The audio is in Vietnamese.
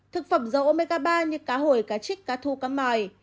thực phẩm dầu omega ba như cá hồi cá chích cá thu cá mòi